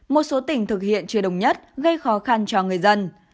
một số tỉnh thực hiện chưa đồng nhất gây khó khăn cho người dân